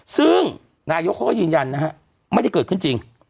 ซึ่งนายกเขาก็ยืนยันนะฮะไม่ได้เกิดขึ้นจริง